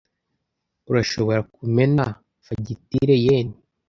Urashobora kumena fagitire yen?